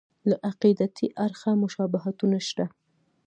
له عقیدتي اړخه مشابهتونه شته.